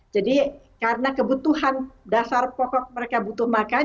jadi karena kebutuhan dasar pokok mereka butuh makan